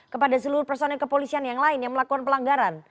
kepada seluruh personil kepolisian yang lain yang melakukan pelanggaran